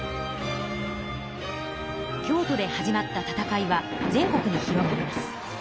京都で始まった戦いは全国に広がります。